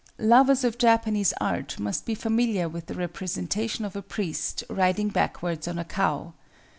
Lovers of Japanese art must be familiar with the representation of a priest riding backwards on a cow.